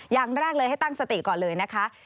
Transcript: อย่างแรกเลยให้ตั้งสติก่อนเลยนะคะ